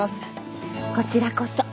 こちらこそ。